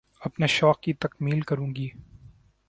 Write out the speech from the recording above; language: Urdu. اپنے شوق کی تکمیل کروں گی